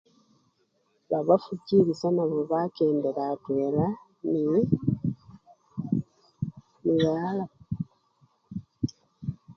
Babafukilisya nabo bakendela atwela nee ni baa